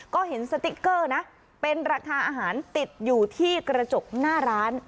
ก็เห็นสติ๊กเกอร์นะเป็นราคาอาหารติดอยู่ที่กระจกหน้าร้าน